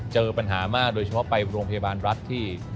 เจอปัญหามากโดยเฉพาะไปโรงพยาบาลรัฐที่